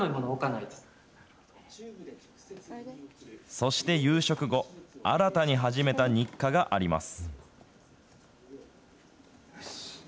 そして夕食後、新たに始めた日課があります。